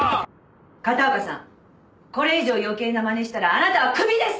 片岡さんこれ以上余計な真似したらあなたはクビです！